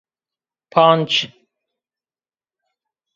Panc